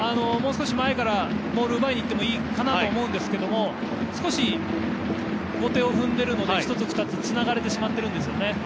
もう少し前からボールを奪いにいってもいいかなと思うんですが少し後手を踏んでいるので１つ２つ、つながれてしまってるんですよね。